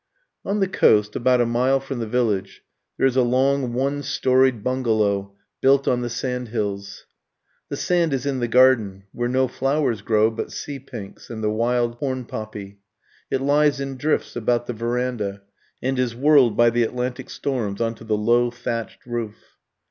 On the coast, about a mile from the village, there is a long one storyed bungalow, built on the sand hills. The sand is in the garden, where no flowers grow but sea pinks and the wild horn poppy; it lies in drifts about the verandah, and is whirled by the Atlantic storms on to the low thatched roof.